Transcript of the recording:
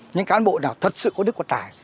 những cán bộ nào thật sự có đức có tài